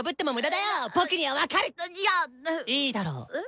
いいだろう。え？